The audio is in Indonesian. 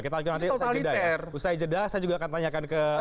kita nanti usai jeda saya juga akan tanyakan ke mas udul